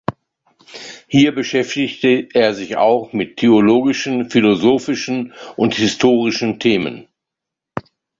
Hier beschäftigte er sich auch mit theologischen, philosophischen und historischen Themen.